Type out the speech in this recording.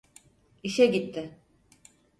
İşe gitti.